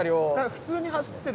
普通に走ってる？